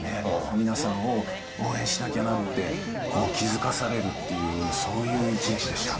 皆さんを応援しなきゃなって気付かされるっていう、そういう一日でしたね。